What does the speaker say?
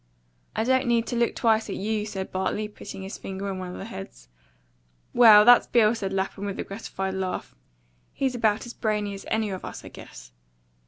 "I don't need to look twice at YOU," said Bartley, putting his finger on one of the heads. "Well, that's Bill," said Lapham, with a gratified laugh. "He's about as brainy as any of us, I guess.